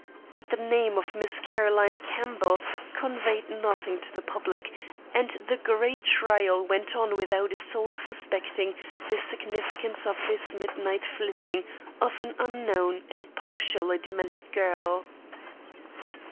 But the name of Miss Caroline Campbell conveyed nothing to the public, and the great trial went on without a soul suspecting the significance of this midnight flitting of an unknown and partially demented girl.